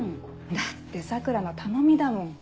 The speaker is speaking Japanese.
だって桜の頼みだもん。